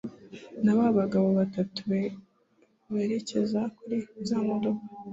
nababagabo batatu berekeza kuri za modoka